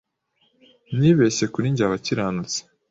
Nibeshye kuri njye abakiranutsi